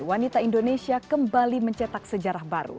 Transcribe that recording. wanita indonesia kembali mencetak sejarah baru